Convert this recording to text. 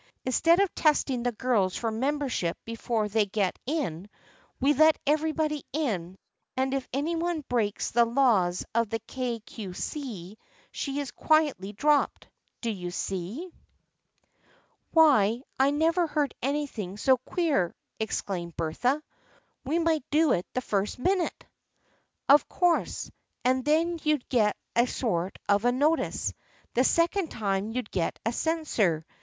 Instead of testing the girls for membership before they get in, we let everybody in, and if any one breaks the laws of the Kay Cue See she is quietly dropped. Do you see ?" 42 THE FRIENDSHIP OF ANNE " Why, I never heard anything so queer! " ex claimed Bertha. " We might do it the very first minute !"" Of course, and then you'd get a sort of a notice. The second time, you'd get a censure.